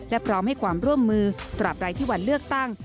และพร้อมให้ความร่วมมือตราบรายที่วันเลือกตั้ง